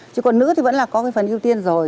chứ còn nữ thì vẫn là có cái phần ưu tiên rồi